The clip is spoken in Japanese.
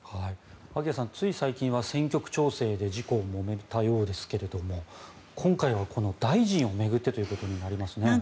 萩谷さんつい最近は選挙区調整で自公もめたようですが、今回は大臣を巡ってとなりますね。